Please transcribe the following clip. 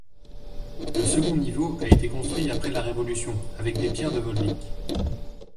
Le second niveau a été construit après la Révolution avec des pierres de Volvic.